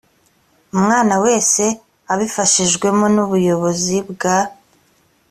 umwana wese abifashijwemo n ubuyobozi bwa